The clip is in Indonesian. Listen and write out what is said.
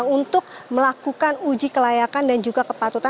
untuk melakukan uji kelayakan dan juga kepatutan